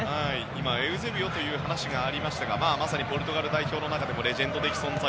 今、エウゼビオという話がありましたがまさにポルトガル代表の中でもレジェンド的な存在。